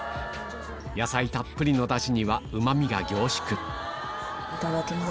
野菜たっぷりの出汁にはうま味が凝縮いただきます。